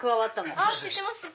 知ってます。